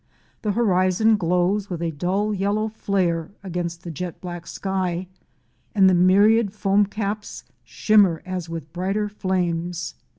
The horizon glows with a dull, yellow flare against the jet black sky, and the myriad foam caps shimmer as with brighter flames.